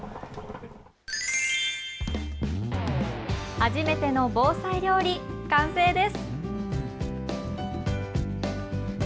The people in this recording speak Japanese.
初めての防災料理、完成です。